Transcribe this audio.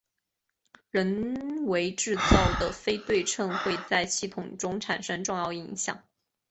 人为制造的非对称会在系统中产生重要影响。